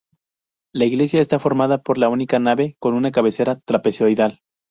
La iglesia está formada por una única nave con una cabecera trapezoidal.